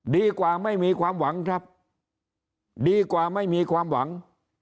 ดีกว่าไม่มีความหวังครับดีกว่าไม่มีความหวัง